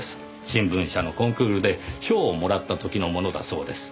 新聞社のコンクールで賞をもらった時のものだそうです。